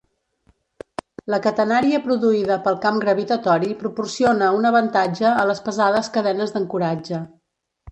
La catenària produïda pel camp gravitatori proporciona un avantatge a les pesades cadenes d'ancoratge.